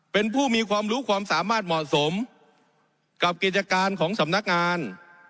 เป็นผู้มีความรู้ความสามารถเหมาะสมกับกิจการของสำนักงาน